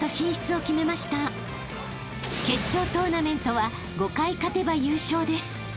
［決勝トーナメントは５回勝てば優勝です］